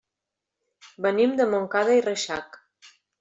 Venim de Montcada i Reixac.